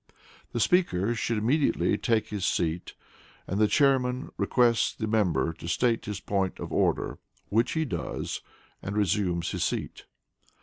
The speaker should immediately take his seat, and the Chairman requests the member to state his point of order, which he does, and resumes his seat.